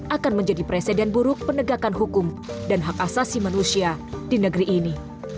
akan menjadi presiden buruk penegakan hukum dan hak asasi manusia di negeri ini